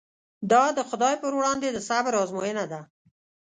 دا د خدای پر وړاندې د صبر ازموینه ده.